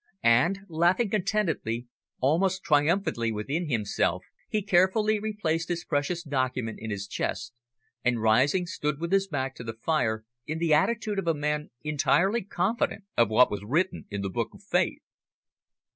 And, laughing contentedly, almost triumphantly within himself, he carefully replaced his precious document in his chest, and, rising, stood with his back to the fire in the attitude of a man entirely confident of what was written in the Book of Fate.